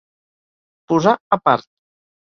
Posar a part.